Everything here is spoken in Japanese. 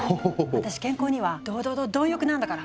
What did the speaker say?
私健康にはドドド貪欲なんだから。